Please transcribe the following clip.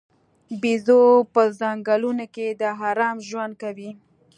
بیزو په ځنګلونو کې د آرام ژوند کوي.